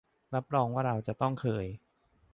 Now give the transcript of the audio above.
รับรองว่าเราจะต้องเคย